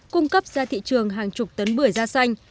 cung cấp ra thị trường hàng chục tấn bưởi da xanh